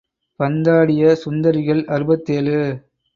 பந்தாடிய சுந்தரிகள் அறுபத்தேழு.